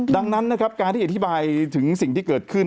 ดังนั้นนะครับการที่อธิบายถึงสิ่งที่เกิดขึ้น